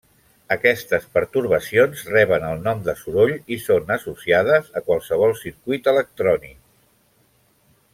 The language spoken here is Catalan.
Aquestes pertorbacions reben el nom de soroll i són associades a qualsevol circuit electrònic.